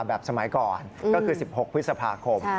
สมัยก่อนก็คือ๑๖พฤษภาคม